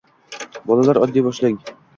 Bolalar, oddiy boshlang